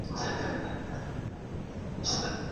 دا نقشه د یوه زده کوونکي لخوا ایستل سوې ده.